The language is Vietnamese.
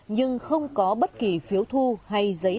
nhưng không có bất kỳ phiếu thu hay giấy tờ